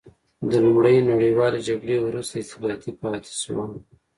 د لومړۍ نړیوالې جګړې وروسته استبدادي پاتې شوه.